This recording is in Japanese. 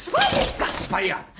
スパイや。